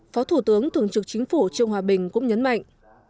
phó thủ tướng thường trực chính phủ trương hòa bình cũng nhấn mạnh